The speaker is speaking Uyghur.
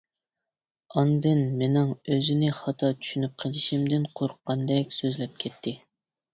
ئاندىن مىنىڭ ئۆزىنى خاتا چۈشىنىپ قېلىشىمدىن قورققاندەك سۆزلەپ كەتتى.